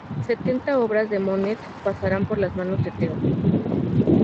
Setenta obras de Monet pasarán por las manos de Theo.